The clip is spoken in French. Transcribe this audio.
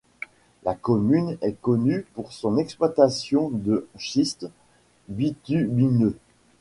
La commune est connue pour son exploitation de schiste bitumineux.